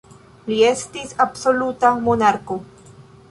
Li estis absoluta monarko.